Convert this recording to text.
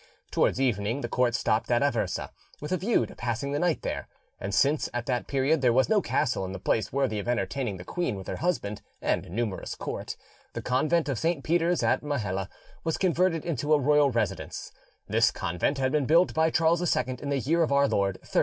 Towards evening the court stopped at Aversa, with a view to passing the night there, and since at that period there was no castle in the place worthy of entertaining the queen with her husband and numerous court, the convent of St. Peter's at Majella was converted into a royal residence: this convent had been built by Charles II in the year of our Lord 1309.